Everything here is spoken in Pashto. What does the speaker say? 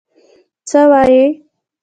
څه وايي.